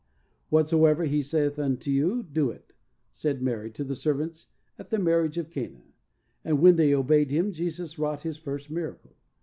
"Whatsoever He saith unto you, do it," said Mary to the servants at the marriage of Cana, and when they obeyed Him Jesus wrought His first miracle.